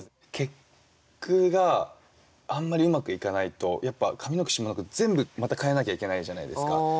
結句があんまりうまくいかないとやっぱ上の句下の句全部また変えなきゃいけないじゃないですか。